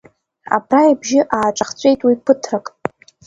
Абра ибжьы ааҿахҵәеит уи ԥыҭрак.